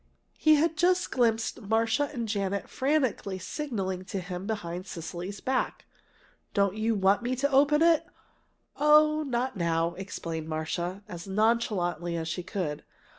He had just glimpsed Marcia and Janet frantically signaling to him behind Cecily's back. "Don't you want me to open it?" "Oh, not now," explained Marcia, as nonchalantly as she could.